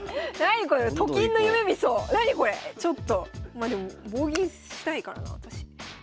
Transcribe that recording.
まあでも棒銀したいからな私。